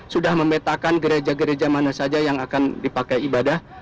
sudah memetakan gereja gereja mana saja yang akan dipakai ibadah